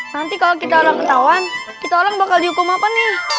nanti kalau kita orang ketahuan kita orang bakal dihukum apa nih